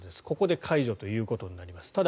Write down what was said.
ここで解除ということになります。